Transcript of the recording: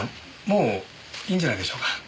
もういいんじゃないでしょうか。